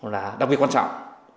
là đặc biệt quan trọng